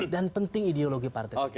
dan penting ideologi partai